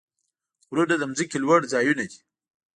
غرونه د ځمکې لوړ ځایونه دي.